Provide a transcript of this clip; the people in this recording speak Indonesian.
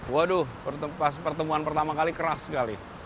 waduh pas pertemuan pertama kali keras sekali